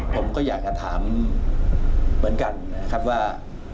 ผมก็อยากจะถามเหมือนกันนะครับว่า